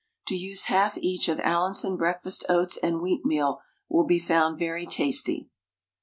To use half each of Allinson breakfast oats and wheatmeal will be found very tasty.